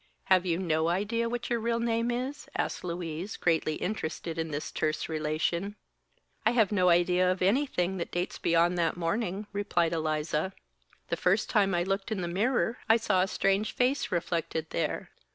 "Have you no idea what your real name is?" asked Louise, greatly interested in this terse relation. "I have no idea of anything that dates beyond that morning," replied Eliza. "The first time I looked in the mirror I saw a strange face reflected there.